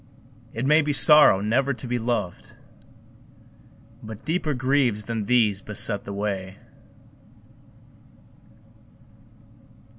It may be sorrow never to be loved, But deeper griefs than these beset the way.